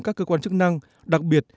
các cơ quan chức năng đặc biệt